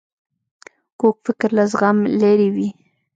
کوږ فکر له زغم لیرې وي